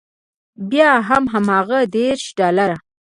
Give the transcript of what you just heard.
بیا هم هماغه دېرش ډالره.